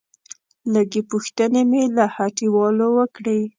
لږې پوښتنې مې له هټيوالو وکړې.